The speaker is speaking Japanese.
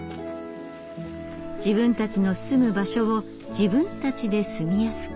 自分たちの住む場所を自分たちで住みやすく。